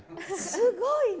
すごいね。